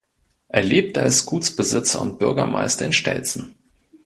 Er lebte als Gutsbesitzer und Bürgermeister in Stelzen.